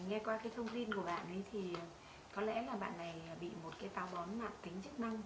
nghe qua thông tin của bạn thì có lẽ bạn này bị một táo bón mạng tính chức năng